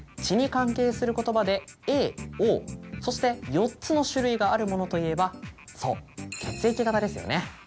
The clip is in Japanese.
血に関係する言葉でＡＯそして４つの種類があるものといえばそう血液型ですよね。